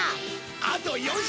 あと４週。